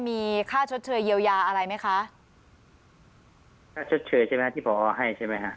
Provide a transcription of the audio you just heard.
มีค่าชดเชยเยียวยาอะไรไหมคะค่าชดเชยใช่ไหมที่พอให้ใช่ไหมฮะ